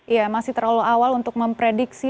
iya masih terlalu awal untuk memprediksi